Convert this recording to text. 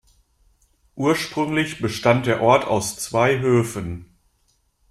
Ursprünglich bestand der Ort aus zwei Höfen.